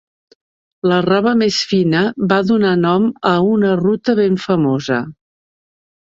La roba més fina va donar nom a una ruta ben famosa.